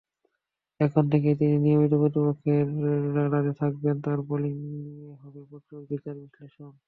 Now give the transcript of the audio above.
এখন থেকেই তিনি নিয়মিত প্রতিপক্ষের রাডারে থাকবেন, তাঁর বোলিং নিয়ে হবে প্রচুর বিচার-বিশ্লেষণ।